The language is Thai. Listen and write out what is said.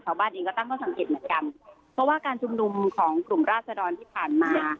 ชาวบ้านเองก็ตั้งข้อสังเกตเหมือนกันเพราะว่าการชุมนุมของกลุ่มราศดรที่ผ่านมา